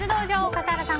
笠原さん